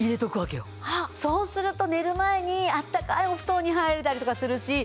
そうすると寝る前にあったかいお布団に入れたりとかするし。